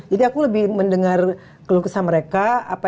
jadi aku lebih mendengar kelukusan mereka